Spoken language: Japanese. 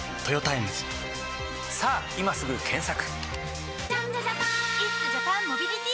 さぁ今すぐ検索！